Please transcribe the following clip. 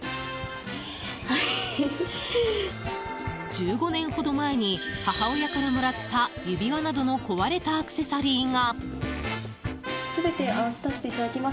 １５年ほど前に母親からもらった指輪などの壊れたアクセサリーが。